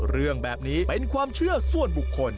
เรื่องแบบนี้เป็นความเชื่อส่วนบุคคล